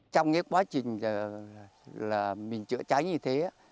trong quá trình chữa cháy như thế